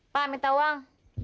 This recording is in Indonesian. pak minta uang